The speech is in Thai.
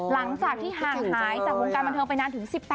หลังจากที่ห่างหายจากวงการบันเทิงไปนานถึง๑๘